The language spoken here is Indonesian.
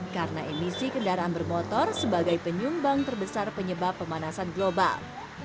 karena emisi kendaraan bermotor sebagai penyumbang terbesar penyebab pemanasan global